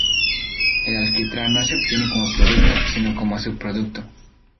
El alquitrán no se obtiene como producto, sino como subproducto.